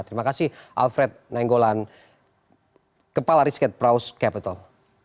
terima kasih alfred nainggolan kepala risket praus capitol